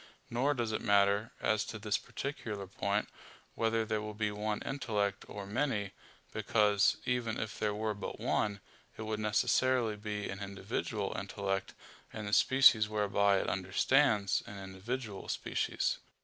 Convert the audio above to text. Nor does it matter, as to this particular point, whether there be one intellect or many; because, even if there were but one, it would necessarily be an individual intellect, and the species whereby it understands, an individual species.